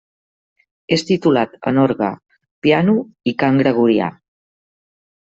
És titulat en orgue, piano i cant gregorià.